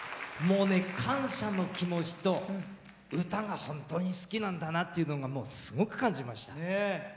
感謝の気持ちと歌が本当に好きなんだなっていうのがすごく感じました。